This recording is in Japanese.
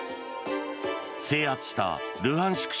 制圧したルハンシク